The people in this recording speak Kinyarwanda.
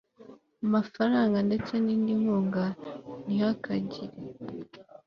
mafaranga ndetse n indi nkunga Ntihakagire